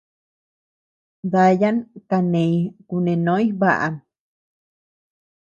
Dayan kaneñ kunenoñ baʼam.